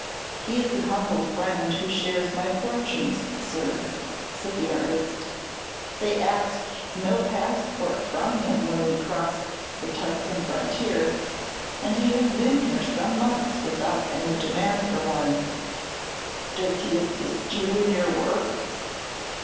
"He is an humble friend who shares my fortunes, sir," said the artist. "They asked no passport from him when we crossed the Tuscan frontier; and he has been here some months without any demand for one." "Does he assist you in your work?"